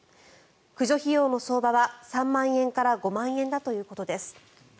駆除費用の相場は３万円から５万円だということです。